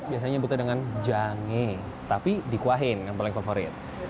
biasanya buka dengan jange tapi dikuahin yang paling favorit